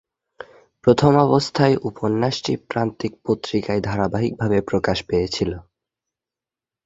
প্রথমাবস্থায় উপন্যাসটি প্রান্তিক পত্রিকায় ধারাবাহিকভাবে প্রকাশ পেয়েছিল।